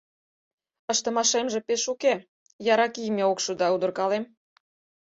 Ыштымашемже пеш уке: яра кийыме ок шу да удыркалем.